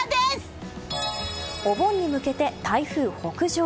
お盆に向けて台風北上。